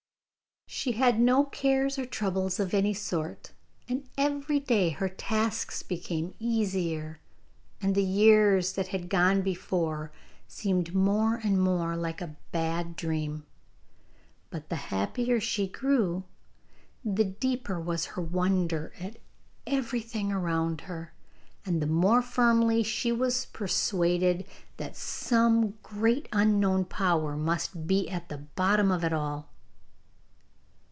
She had no cares or troubles of any sort, and every day her tasks became easier, and the years that had gone before seemed more and more like a bad dream. But the happier she grew the deeper was her wonder at everything around her, and the more firmly she was persuaded that some great unknown power must be at the bottom of it all.